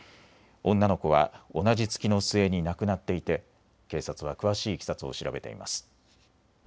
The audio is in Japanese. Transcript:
女の子は同じ月の末に亡くなっていて警察は詳しいいきさつを調べています。